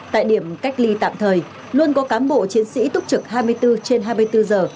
tại điểm cách ly tạm thời luôn có cán bộ chiến sĩ túc trực hai mươi bốn trên hai mươi bốn giờ